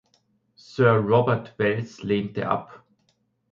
Sir Robert Welles lehnte ab.